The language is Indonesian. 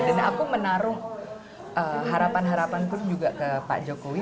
dan aku menaruh harapan harapan pun juga ke pak jokowi